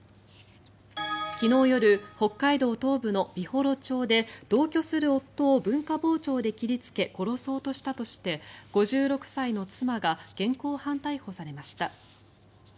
昨日夜、北海道東部の美幌町で同居する夫を文化包丁で切りつけ殺そうとしたとして５６歳の妻が現行犯逮捕されました。